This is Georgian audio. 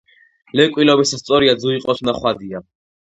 ლეკვი ლომიაა სწორია, ძუ იყოს თუნდა ხვადია